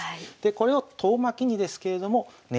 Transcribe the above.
これを遠巻きにですけれども狙っている。